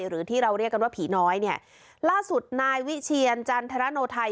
หรือที่เราเรียกกันว่าผีน้อยเนี่ยล่าสุดนายวิเชียรจันทรโนไทย